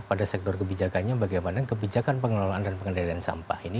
pada sektor kebijakannya bagaimana kebijakan pengelolaan dan pengendalian sampah ini